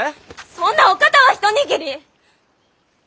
そんなお方は一握り！